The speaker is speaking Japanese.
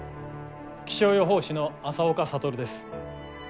気象予報士の朝岡覚です。